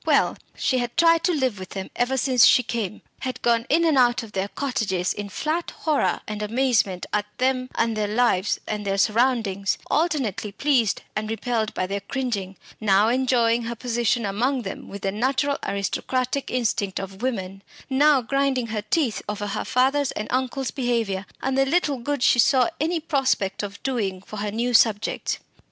Well, she had tried to live with them ever since she came had gone in and out of their cottages in flat horror and amazement at them and their lives and their surroundings; alternately pleased and repelled by their cringing; now enjoying her position among them with the natural aristocratic instinct of women, now grinding her teeth over her father's and uncle's behaviour and the little good she saw any prospect of doing for her new subjects.